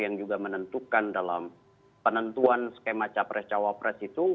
yang juga menentukan dalam penentuan skema capres cawapres itu